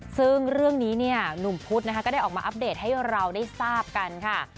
ซึ่งเรื่องนี้เนี่ยหนุ่มพุธนะคะก็ได้ออกมาอัปเดตให้เราได้ทราบกันค่ะ